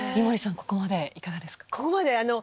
ここまでいかがですか？